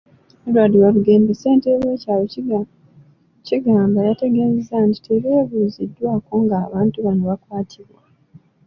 Edward Walugembe, ssentebe w'ekyalo Kigamba yategeezezza nti tebeebuuziddwako ng'abantu bano bakwatibwa.